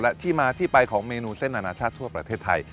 และที่มาที่ไปของเมนูเส้นอนาชาติทั่วประเทศไทย